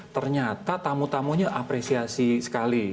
ternyata tamu tamunya apresiasi sekali